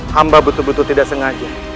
hamba betul betul tidak sengaja